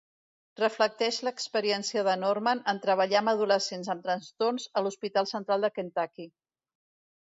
Reflecteix l'experiència de Norman en treballar amb adolescents amb trastorns a l'hospital central de Kentucky.